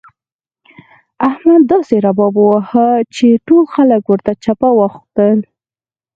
احمد داسې رباب وواهه چې ټول خلګ ورته چپه واوښتل.